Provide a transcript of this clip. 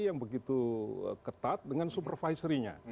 yang begitu ketat dengan supervisorynya